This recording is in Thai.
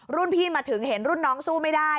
รุ่นพี่มาถึงเห็นรุ่นน้องสู้ไม่ได้